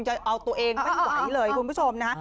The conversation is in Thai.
ยังเอาตัวเองไม่ไหวเลยคุณผู้ชมนะฮะ